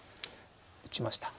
打ちました。